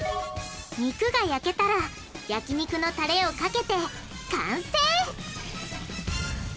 肉が焼けたら焼き肉のタレをかけて完成！